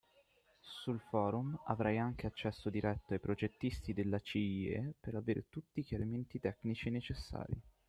Sul forum, avrai anche accesso diretto ai progettisti della CIE per avere tutti i chiarimenti tecnici necessari.